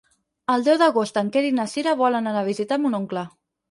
El deu d'agost en Quer i na Cira volen anar a visitar mon oncle.